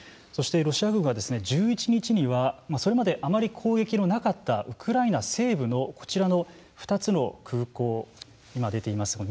ロシア軍は１１日にはそれまであまり攻撃のなかったウクライナ西部のこちらの２つの空港今、出ています